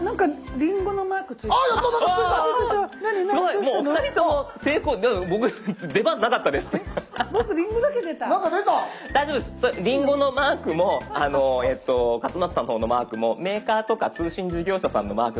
リンゴのマークも勝俣さんの方のマークもメーカーとか通信事業者さんのマークなんですけど。